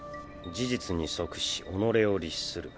事実に即し己を律する。